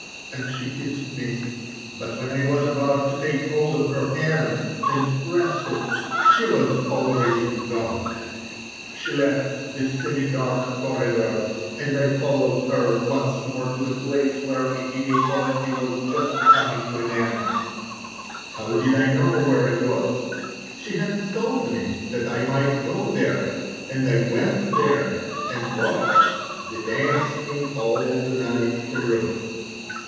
And she kissed me. But when I was about to take hold of her hand and press it—she was already gone. She left the semi dark corridor, and I followed her once more to the place where a gay party was just coming to an end. How did I know where it was? She had told me that I might go there, and I went there and watched the dancing all the night through.